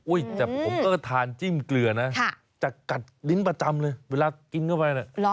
แต่ผมก็ทานจิ้มเกลือนะจะกัดลิ้นประจำเลยเวลากินเข้าไปน่ะ